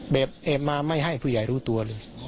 แบบแอบมาไม่ให้ผู้ใหญ่รู้ตัวเลย